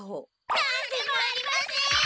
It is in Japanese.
何でもありません！